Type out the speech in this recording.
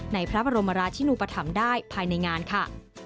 ในพระบรมราชินุปธรรมได้ภายในงานค่ะ